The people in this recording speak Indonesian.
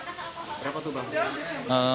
berapa itu bang